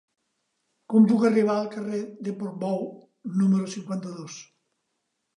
Com puc arribar al carrer de Portbou número cinquanta-dos?